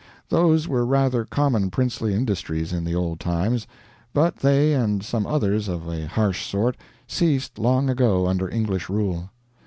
Those were rather common princely industries in the old times, but they and some others of a harsh sort ceased long ago under English rule.